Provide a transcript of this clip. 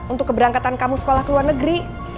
untuk keberangkatan kamu sekolah ke luar negeri